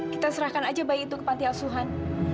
kita serahkan aja bayi itu ke panti asuhan